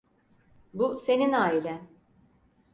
Bu senin ailen.